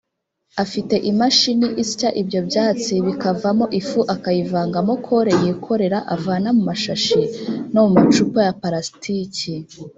Afite imashini isya ibyo byatsi bikavamo ifu akayivangamo kore yikorera avana mu mashashi no mu macupa ya parasitiki